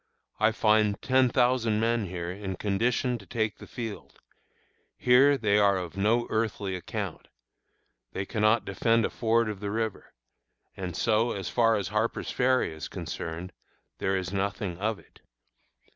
I find ten thousand men here in condition to take the field. Here they are of no earthly account. They cannot defend a ford of the river; and, so far as Harper's Ferry is concerned, there is nothing of it.